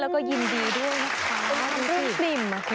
ก็ยินดีด้วยนะครับ